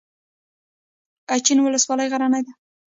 اچین ولسوالۍ غرنۍ ده؟